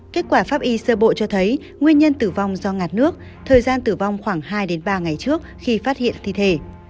kết quả pháp y sơ bộ cho thấy nguyên nhân tử vong do ngạt nước thời gian tử vong khoảng hai ba ngày trước khi phát hiện thi thể